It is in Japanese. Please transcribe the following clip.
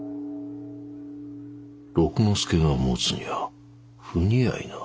六之助が持つには不似合いな。